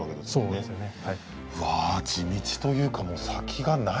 そうですね。